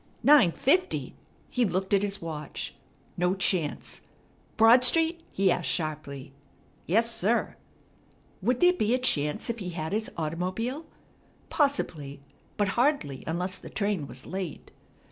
"Nine fifty!" He looked at his watch. No chance! "Broad Street?" he asked sharply. "Yes, sir." Would there be a chance if he had his automobile? Possibly, but hardly unless the train was late.